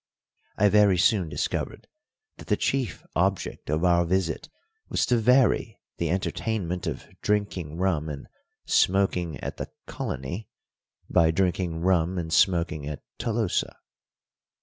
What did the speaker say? I very soon discovered that the chief object of our visit was to vary the entertainment of drinking rum and smoking at the "Colony," by drinking rum and smoking at Tolosa.